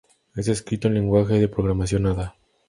Es escrito en el lenguaje de programación Ada.